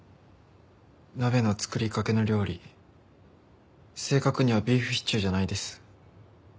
鍋の作りかけの料理正確にはビーフシチューじゃないです。